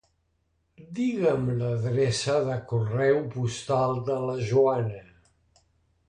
Digue'm l'adreça de correu postal de la Joana.